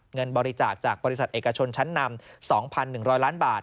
เงินบริจาคจากบริษัทเอกชนชั้นนำ๒๑๐๐ล้านบาท